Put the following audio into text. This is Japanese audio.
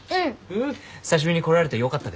久しぶりに来られてよかったです。